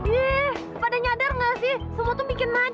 yeeh pada nyadar nggak sih semua tuh bikin macut